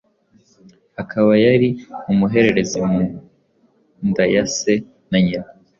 akaba yari umuherererezi mu nda ya se na nyina